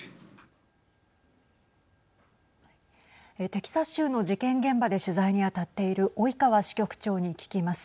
テキサス州の事件現場で取材にあたっている及川支局長に聞きます。